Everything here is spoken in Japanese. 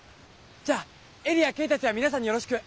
じゃ恵里や恵達や皆さんによろしく！